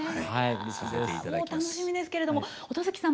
いやもう楽しみですけれども音月さん